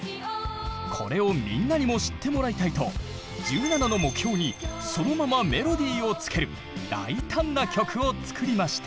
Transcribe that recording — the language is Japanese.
これをみんなにも知ってもらいたいと１７の目標にそのままメロディーをつける大胆な曲を作りました。